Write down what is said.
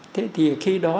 thế thì khi đó